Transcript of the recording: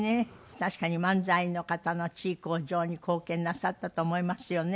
確かに漫才の方の地位向上に貢献なさったと思いますよね。